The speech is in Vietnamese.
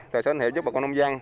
tại sân hiệu giúp bà con nông dân